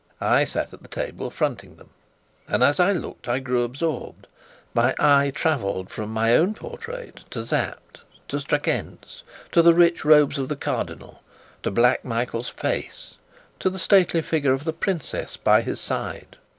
I sat at the table fronting them; and, as I looked, I grew absorbed. My eye travelled from my own portrait to Sapt, to Strakencz, to the rich robes of the Cardinal, to Black Michael's face, to the stately figure of the princess by his side.